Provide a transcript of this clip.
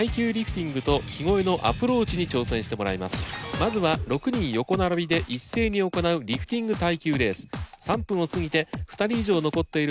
まずは６人横並びで一斉に行うリフティング耐久レース。